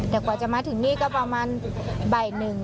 แต่กว่าจะมาถึงนี่ก็ประมาณบ่ายหนึ่ง